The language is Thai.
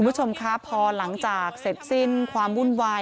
คุณผู้ชมคะพอหลังจากเสร็จสิ้นความวุ่นวาย